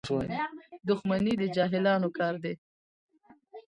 • دښمني د جاهلانو کار دی.